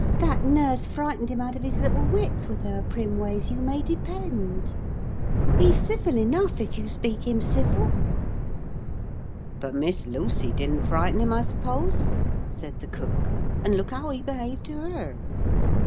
'That nurse frightened him out of his little wits with her prim ways, you may depend. He's civil enough if you speak him civil.' 'But Miss Lucy didn't frighten him, I suppose,' said the cook; 'and look how he behaved to her.'